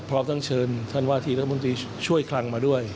พร้อมทั้งเชิญท่านวาทีรัฐมนตรีช่วยคลังมาด้วย